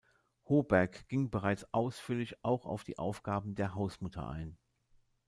Hohberg ging bereits ausführlich auch auf die Aufgaben der „Hausmutter“ ein.